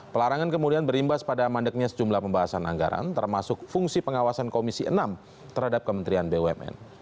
pelarangan kemudian berimbas pada mandeknya sejumlah pembahasan anggaran termasuk fungsi pengawasan komisi enam terhadap kementerian bumn